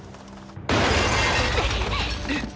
うっ！